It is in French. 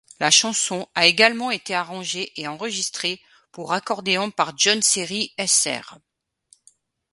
La chanson a également été arrangée et enregistrée pour accordéon par John Serry Sr.